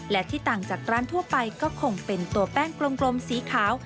และที่ต่างจากร้านทั่วไปก็คงเป็นตัวแป้งกลมสีขาว